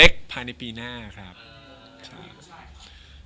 จะรักเธอเพียงคนเดียว